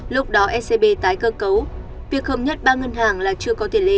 lúc đó ecb tái cơ cấu việc hợp nhất ba ngân hàng là chưa có tiền lệ